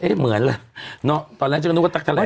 เอ้ยเหมือนเหรอตอนแรกเช่นก็ดูเธอตั๊กเทอร์แหลด